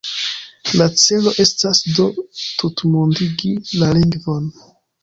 La celo estas do tutmondigi la lingvon.